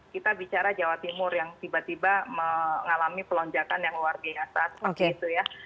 kita bicara jawa timur yang tiba tiba mengalami pelonjakan yang luar biasa